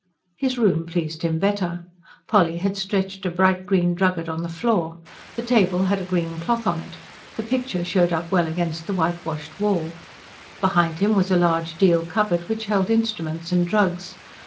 His room pleased him better. Polly had stretched a bright green drugget on the floor; the table had a green cloth on it; the picture showed up well against the whitewashed wall. Behind him was a large deal cupboard, which held instruments and drugs.